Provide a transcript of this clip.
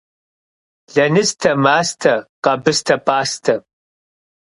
Лэныстэ, мастэ, къэбыстэ, пӏастэ.